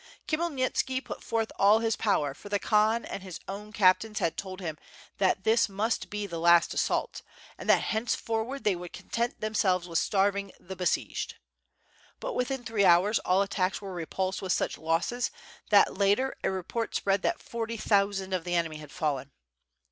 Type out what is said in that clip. Khmyel nitski put forth all his power, for the Khan and his own cap tains had told him that this must be the last assault, and that henceforward they would content themselves with starv ing the besieged. But within three hours all attacks were repulsed with such losses that later a report spread that forty thousand of the enemy had fallen.